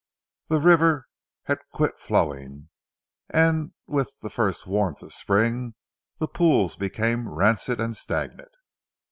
The river had quit flowing, and with the first warmth of spring the pools became rancid and stagnant.